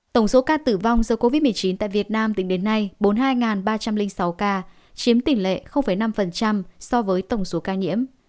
tổng số ca tử vong do covid một mươi chín tại việt nam tính đến nay bốn mươi hai ba trăm linh sáu ca chiếm tỷ lệ năm so với tổng số ca nhiễm